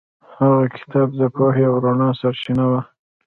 هغه کتاب د پوهې او رڼا سرچینه وه.